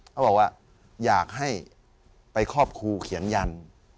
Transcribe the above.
เขาบอกว่าอยากให้ไปครอบครูเขียนยัน